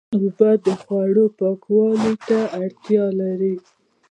اوبه د خوړو پاکوالي ته اړتیا لري.